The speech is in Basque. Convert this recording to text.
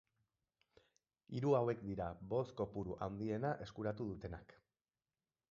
Hiru hauek dira boz-kopuru handiena eskuratu dutenak.